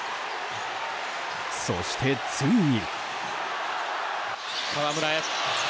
そして、ついに。